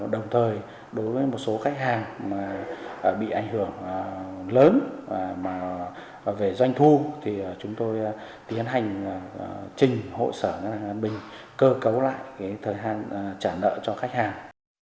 đồng thời đối với một số khách hàng bị ảnh hưởng lớn về doanh thu thì chúng tôi tiến hành trình hộ sở ngân hàng an bình cơ cấu lại thời hạn trả nợ cho khách hàng